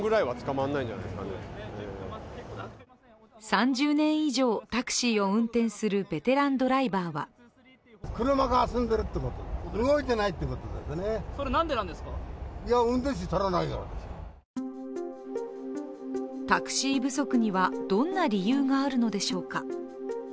３０年以上、タクシーを運転するベテランドライバーはタクシー不足にはどんな理由があるのでしょうか。